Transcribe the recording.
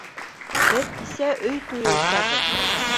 Беҙ кисә өй туйы үткәрҙек